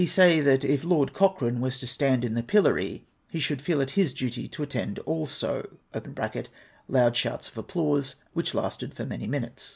441 say, that if Ivord Cochrane was to stand in the pillory, he should feel it his duty to attend also {loud shouts of applause, which lasted for many minutes).